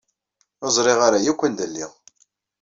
Ur ẓriɣ ara yakk anda lliɣ.